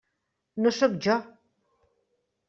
No sóc jo.